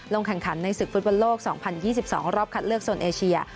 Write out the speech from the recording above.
แข่งขันในศึกฟุตบอลโลก๒๐๒๒รอบคัดเลือกโซนเอเชีย